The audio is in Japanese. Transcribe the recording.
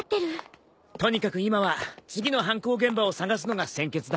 とにかく今は次の犯行現場を探すのが先決だ。